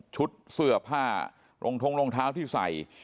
ชุดเสื้อผ้ารองท้องรองเท้าที่ใส่